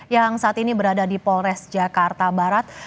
yang saat ini berada di polres jakarta barat